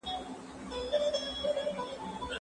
تاسي په پښتو کي د لیکوالۍ استعداد لرئ؟